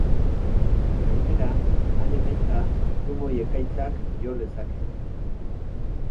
Gainera, han-hemenka trumoi-ekaitzak jo lezake.